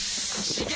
刺激！